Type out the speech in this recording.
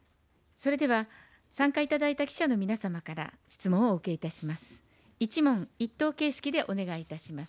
それでは、参加いただいた記者の皆様から質問をお受けいたします。